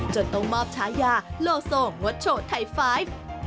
จนต้องมอบชายาโลโซงวัดโฉดไทย๕